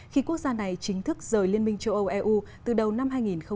khi quốc gia này chính thức rời liên minh châu âu eu từ đầu năm hai nghìn hai mươi